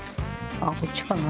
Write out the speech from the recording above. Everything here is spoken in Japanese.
あっこっちかな。